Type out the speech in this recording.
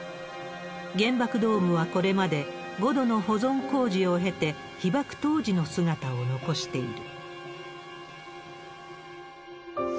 原爆ドームはこれまで、５度の保存工事を経て、被爆当時の姿を残している。